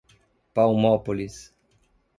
Palmópolis